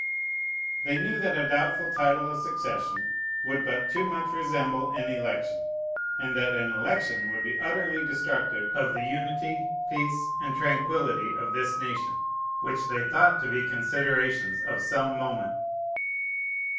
They knew that a doubtful title of succession would but too much resemble an election, and that an election would be utterly destructive of the "unity, peace, and tranquillity of this nation," which they thought to be considerations of some moment.